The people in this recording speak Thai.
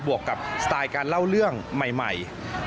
วกกับสไตล์การเล่าเรื่องใหม่